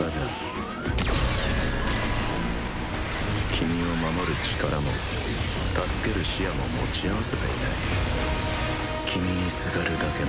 君を守る力も助ける視野も持ち合わせていない。